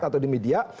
atau di media